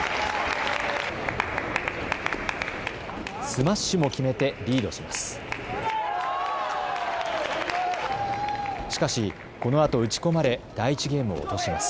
スマッシュも決めてリードします。